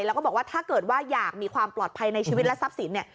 แล้วก็บอกว่าถ้าเกิดว่าอยากมีความปลอดภัยในชีวิตและทรัพย์สินเนี่ย